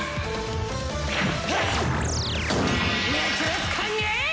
「熱烈歓迎！」